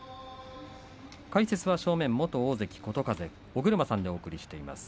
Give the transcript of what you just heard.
解説は正面、元大関琴風尾車さんでお送りしています。